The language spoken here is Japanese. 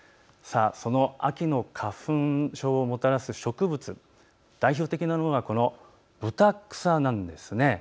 その秋の花粉症をもたらす植物、代表的なのがブタクサなんですね。